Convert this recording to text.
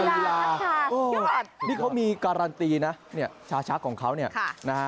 รีลารีลายอดนี่เขามีการันตีนะเนี้ยชาชักของเขาเนี้ยค่ะนะฮะ